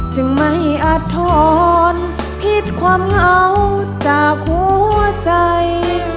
จึงไม่อาทรผิดความเหงาจากหัวใจ